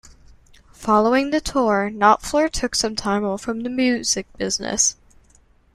Following the tour, Knopfler took some time off from the music business.